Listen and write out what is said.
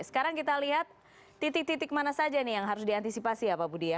sekarang kita lihat titik titik mana saja nih yang harus diantisipasi ya pak budi ya